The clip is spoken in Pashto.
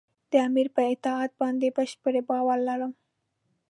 د امیر پر اطاعت باندې بشپړ باور لري.